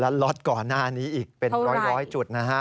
แล้วล็อตก่อนหน้านี้อีกเป็นร้อยจุดนะฮะ